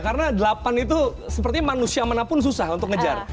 karena delapan itu sepertinya manusia manapun susah untuk ngejar